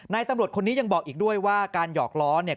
ตำรวจคนนี้ยังบอกอีกด้วยว่าการหยอกล้อเนี่ย